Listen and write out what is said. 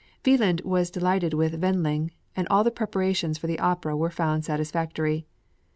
Wieland was delighted with Wendling, and all the preparations for the opera were found satisfactory.